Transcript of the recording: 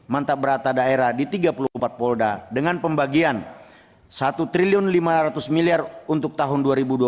mantap berata daerah di tiga puluh empat polda dengan pembagian rp satu lima ratus miliar untuk tahun dua ribu dua puluh